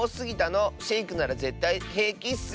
シェイクならぜったいへいきッス！